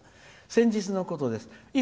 先日のことです。